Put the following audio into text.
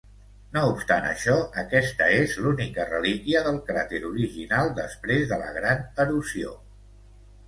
No obstant això, aquesta és l"única relíquia del cràter original després de la gran erosió.